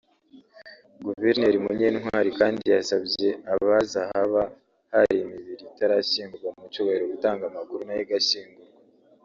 Guverineri Munyantwari kandi yasabye abazi ahaba hari imibiri itarashyingurwa mu cyubahiro gutanga amakuru nayo igashyingurwa